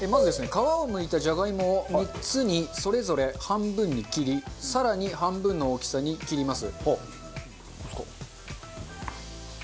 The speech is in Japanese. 皮を剥いたジャガイモを３つにそれぞれ半分に切り更に半分の大きさに切ります。